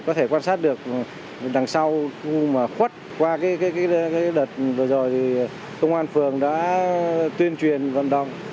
có thể quan sát được đằng sau khuất qua cái đợt vừa rồi công an phường đã tuyên truyền vận động